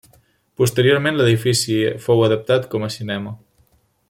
Posteriorment l'edifici fou adaptat com a cinema.